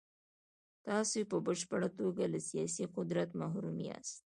تاسو په بشپړه توګه له سیاسي قدرت محروم یاست.